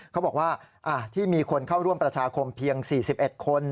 เขาบอกว่าอ่าที่มีคนเข้าร่วมประชาคมเพียงสี่สิบเอ็ดคน